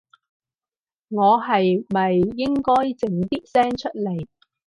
我係咪應該整啲聲出來